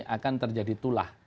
akan terjadi tulah